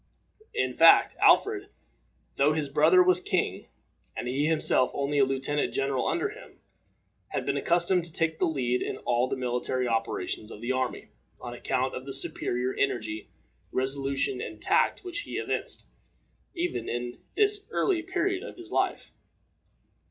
In fact, Alfred, though his brother was king, and he himself only a lieutenant general under him, had been accustomed to take the lead in all the military operations of the army, on account of the superior energy, resolution, and tact which he evinced, even in this early period of his life.